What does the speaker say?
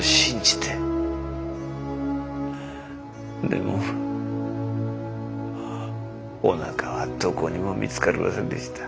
でもおなかはどこにも見つかりませんでした。